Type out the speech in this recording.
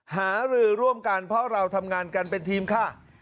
หารือร่วมกันเพราะเราทำงานกันเป็นทีมค่ะ